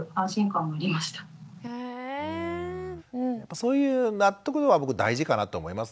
そういう納得度は僕大事かなと思いますね。